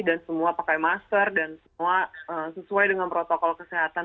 dan semua pakai masker dan semua sesuai dengan protokol kesehatan